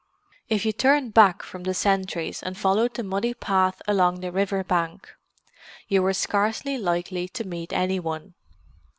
If you turned back from the sentries and followed the muddy path along the river bank, you were scarcely likely to meet any one.